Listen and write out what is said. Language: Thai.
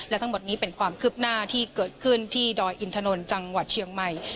และทั้งหมดนี้เป็นความคึบหน้าที่เกิดขึ้นที่จังหวัดเชียงใหม่